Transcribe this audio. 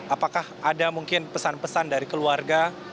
apakah ada mungkin pesan pesan dari keluarga